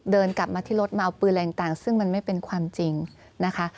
เดินกลับมาที่รถมาเอาปืนอะไรต่างซึ่งมันไม่เป็นความจริงนะคะ